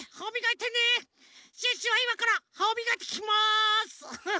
シュッシュはいまからはみがきしますフフ。